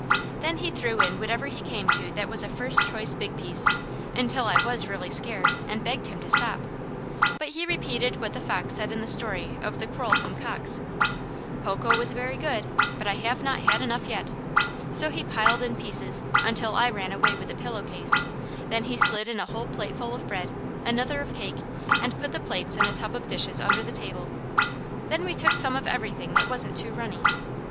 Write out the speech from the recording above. Then he threw in whatever he came to that was a first choice big piece, until I was really scared, and begged him to stop; but he repeated what the fox said in the story of the "Quarrelsome Cocks" "Poco was very good, but I have not had enough yet," so he piled in pieces until I ran away with the pillow case; then he slid in a whole plateful of bread, another of cake, and put the plates in a tub of dishes under the table. Then we took some of everything that wasn't too runny.